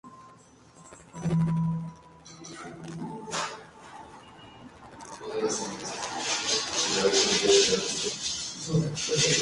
Duke domina el premio con un seis vencedor para un total de nueve premios.